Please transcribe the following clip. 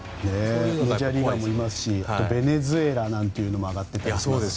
メジャーリーガーもいますしベネズエラなんていうのも上がってくるかもしれませんし。